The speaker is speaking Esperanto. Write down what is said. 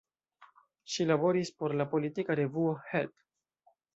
Ŝi laboris por la politika revuo "Help!